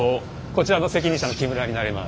こちらの責任者の木村になります。